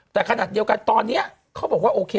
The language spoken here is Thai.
แต่ขนาดเดียวกันตอนนี้เขาบอกว่าโอเค